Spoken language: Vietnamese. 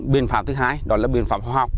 biện pháp thứ hai đó là biện pháp khoa học